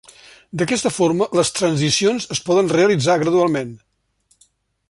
D'aquesta forma les transicions es poden realitzar gradualment.